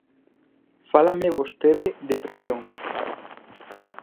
Fálame vostede de presión.